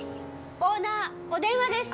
オーナーお電話です！